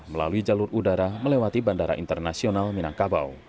melalui jalur udara melewati bandara internasional minangkabau